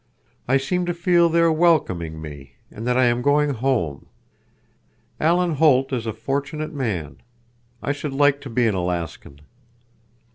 I seem to feel they are welcoming me and that I am going home. Alan Holt is a fortunate man. I should like to be an Alaskan."